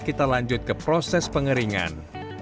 kita lanjut ke proses pengeringan